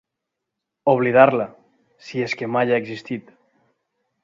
Oblidar-la, si és que mai ha existit.